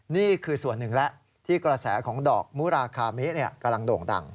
นี่คือส่วนหนึ่งแล้วที่กระแสของดอกมุราคาเมะกำลังโด่งดัง